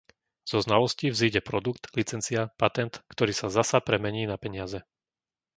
Zo znalostí vzíde produkt, licencia, patent, ktorý sa zasa premení na peniaze.